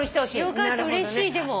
よかったうれしいでも。